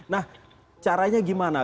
nah caranya gimana